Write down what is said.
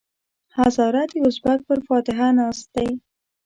هزاره د ازبک پر فاتحه ناست دی.